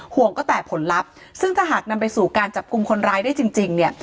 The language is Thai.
ห่วงก็แต่ผลลัพธ์ซึ่งถ้าหากนำไปสู่การจับกลุ่มคนร้ายได้จริงเนี่ย